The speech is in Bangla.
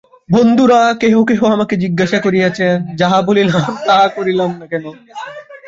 বন্ধুরা কেহ কেহ আমাকে জিজ্ঞাসা করিয়াছেন, যাহা বলিলাম তাহা করিলাম না কেন।